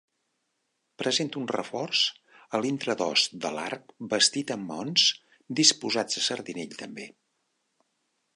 Presenta un reforç a l'intradós de l'arc bastit amb maons disposats a sardinell també.